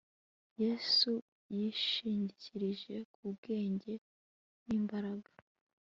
Yesu yishingikirije ku bwenge nimbaraga